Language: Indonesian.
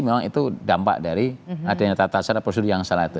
memang itu dampak dari adanya tata cara prosedur yang salah itu